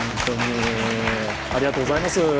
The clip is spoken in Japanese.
ありがとうございます。